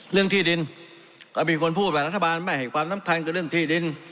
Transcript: เรื่องที่ดินก็มีคนพูดว่ารัฐบาลไม่ให้ความสำคัญกับเรื่องที่ดิน